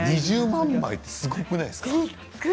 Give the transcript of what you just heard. ２０万枚ってすごくないですか？